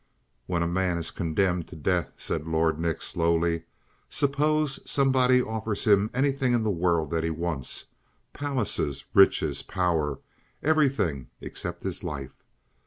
"When a man is condemned to death," said Lord Nick slowly, "suppose somebody offers him anything in the world that he wants palaces, riches, power everything except his life.